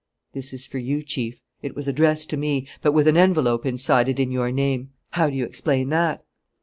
"This is for you, Chief. It was addressed to me, but with an envelope inside it in your name. How do you explain that?"